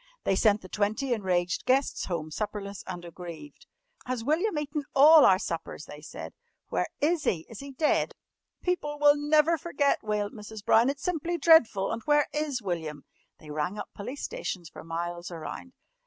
They sent the twenty enraged guests home supperless and aggrieved. "Has William eaten all our suppers?" they said. "Where is he? Is he dead?" "People will never forget," wailed Mrs. Brown. "It's simply dreadful. And where is William?" They rang up police stations for miles around.